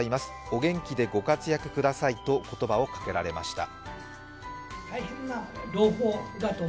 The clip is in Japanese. お元気でご活躍くださいと言葉をかけられました。